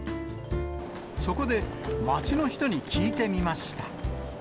そこで、街の人に聞いてみました。